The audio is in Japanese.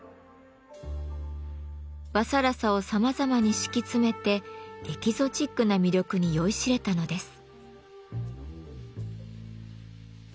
和更紗をさまざまに敷き詰めてエキゾチックな魅力に酔いしれたのです。